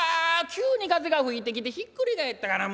急に風が吹いてきてひっくり返ったがな。